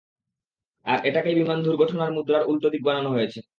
আর এটাকেই বিমান দূর্ঘটনার মুদ্রার উল্টো দিক বানানো হয়েছে?